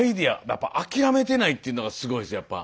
やっぱ諦めてないっていうのがすごいですやっぱ。